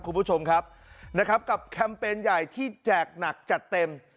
คุณผู้ชมครับนะครับกับแคมเปญใหญ่ที่แจกหนักจัดเต็ม